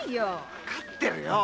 わかってるよ。